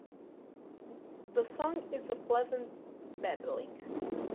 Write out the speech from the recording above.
The song is a pleasant babbling.